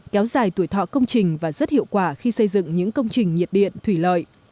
kéo dài tuổi thọ công trình và rất hiệu quả khi xây dựng những công trình nhiệt điện thủy lợi